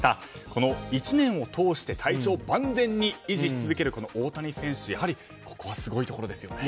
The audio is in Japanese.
この１年を通して体調を万全に維持し続ける大谷選手、やはりここはすごいところですよね。